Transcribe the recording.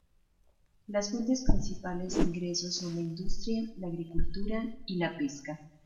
Las fuentes principales de ingresos son la industria, la agricultura y la pesca.